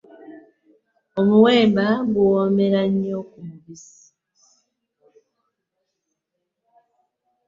Omuwemba guwomeera nnyo ku mubisi.